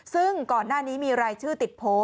ซึ่งก่อนหน้านี้มีรายชื่อติดโพล